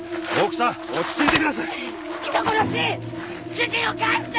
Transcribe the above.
主人を返して！